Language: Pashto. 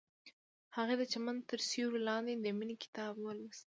هغې د چمن تر سیوري لاندې د مینې کتاب ولوست.